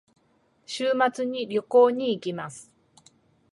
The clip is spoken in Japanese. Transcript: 週末に旅行に行きます。